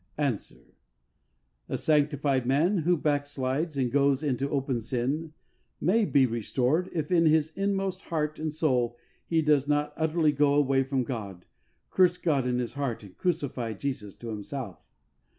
'' Answer : A sanctified man who backslides and goes into open sin may be restored if in his inmost heart and soul he does not utterly go away from God, curse God in his heart and crucify Jesus to himself.